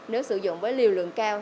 nếu sử dụng với liều lượng cao